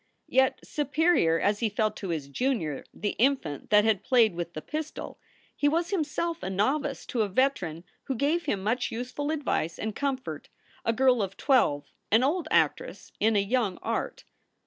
Yet, superior as he felt to his junior, the infant that had played with the pistol, he was himself a novice to a veteran who gave him much useful advice and comfort a girl of twelve, an old actress in a young art.